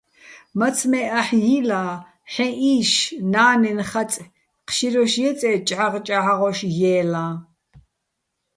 "მაცმე́ აჰ̦ ჲილა́, ჰ̦ეჼ იშ ნა́ნენ ხაწე̆, ჴშიროშ ჲეწე́ ჭჵაღ-ჭჵა́ღოშ ჲე́ლაჼ."